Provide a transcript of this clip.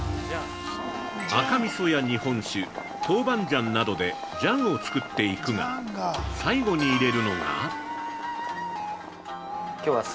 ◆赤みそや日本酒、豆板醤などで醤を作っていくが、最後に入れるのが◆